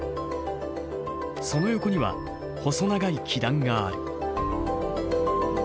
その横には細長い基壇がある。